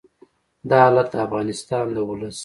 دا حالت د افغانستان د ولس